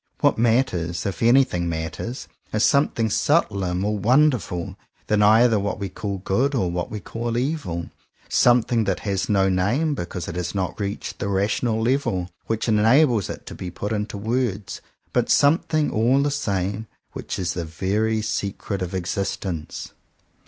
What matters, if anything matters, is some thing subtler, more wonderful, than either what we call good or what we call evil; something that has no name because it has not reached the rational level which enables it to be put into words; but something all the same which is the very secret of exist ence.